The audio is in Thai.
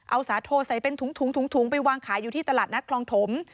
เอาสาโทใส่เป็นถุงไปวางขายอยู่ที่ตลาดนัดคลองถม